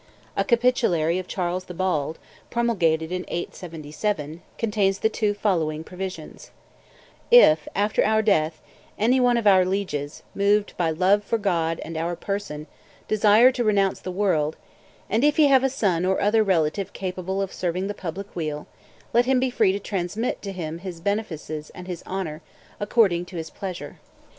A capitulary of Charles the Bald, promulgated in 877, contains the two following provisions: "If, after our death, any one of our lieges, moved by love for God and our person, desire to renounce the world, and if he have a son or other relative capable of serving the public weal, let him be free to transmit to him his benefices and his honor, according to his pleasure."